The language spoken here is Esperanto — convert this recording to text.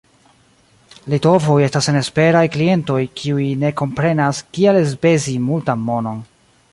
Litovoj estas senesperaj klientoj, kiuj ne komprenas, kial elspezi multan monon.